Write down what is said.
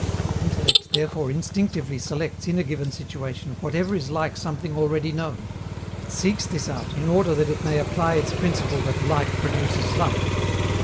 Intellect therefore instinctively selects in a given situation whatever is like something already known; it seeks this out, in order that it may apply its principle that "like produces like."